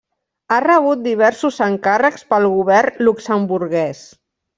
Ha rebut diversos encàrrecs pel Govern luxemburguès.